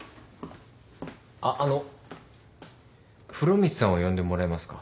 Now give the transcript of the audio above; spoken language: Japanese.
あっあの風呂光さんを呼んでもらえますか？